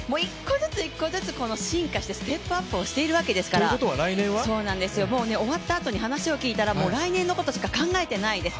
１個ずつ進化してステップアップしてるわけですから終わったあとに、話を聞いたら、来年のことしか考えていないです。